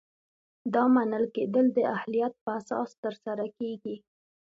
دا منل کیدل د اهلیت په اساس ترسره کیږي.